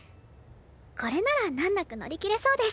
これなら難なく乗りきれそうです